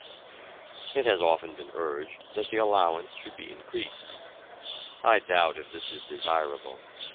It has often been urged that the allowance should be increased. I doubt if this is desirable.